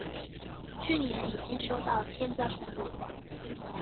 去年已經收到天災補助款